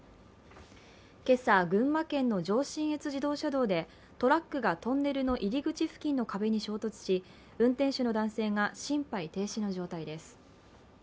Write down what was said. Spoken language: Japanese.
今朝、群馬県の上信越自動車道でトラックがトンネルの入口付近の壁に衝突し運転手の男性が心肺停止の状態です。